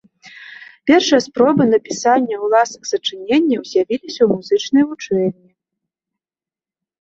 Першыя спробы напісання ўласных сачыненняў з'явіліся ў музычнай вучэльні.